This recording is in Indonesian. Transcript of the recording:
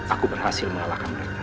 aku berhasil mengalahkan mereka